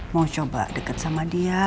mau coba dekat sama dia